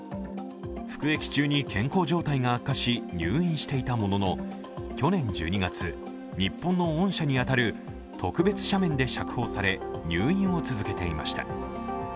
服役中に健康状態が悪化し入院していたのもの去年１２月、日本の恩赦に当たる特別赦免で釈放され、入院を続けていました。